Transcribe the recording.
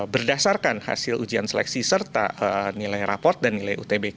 berdasarkan hasil ujian seleksi serta nilai raport dan nilai utbk